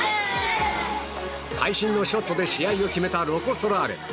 会心のショットで試合を決めたロコ・ソラーレ。